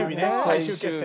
最終決戦。